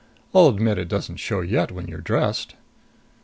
I'll admit it doesn't show yet when you're dressed."